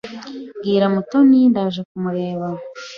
Bwira Mutoni ndaje kumureba.